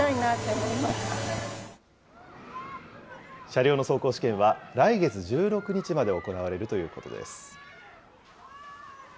車両の走行試験は、来月１６日まで行われるということです。